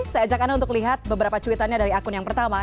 saya ajak anda untuk lihat beberapa cuitannya dari akun yang pertama